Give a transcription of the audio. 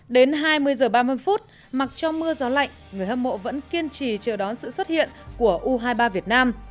đến hai mươi h ba mươi phút mặc cho mưa gió lạnh người hâm mộ vẫn kiên trì chờ đón sự xuất hiện của u hai mươi ba việt nam